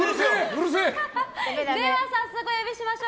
では、早速お呼びしましょう。